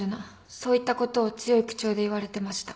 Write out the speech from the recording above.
そういったことを強い口調で言われてました。